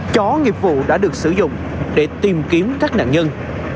chó nghiệp vụ đã được sử dụng để tìm kiếm các nạn nhân